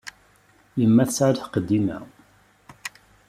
Yemma tesɛa lḥeqq dima.